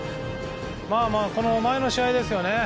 前の試合ですよね。